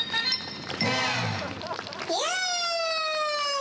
イエイ！